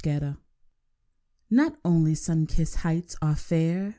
THE DEPTHS Not only sun kissed heights are fair.